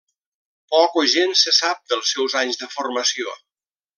Poc o gens se sap dels seus anys de formació.